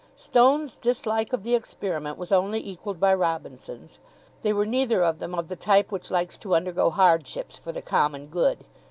Stone's dislike of the experiment was only equalled by Robinson's. They were neither of them of the type which likes to undergo hardships for the common good.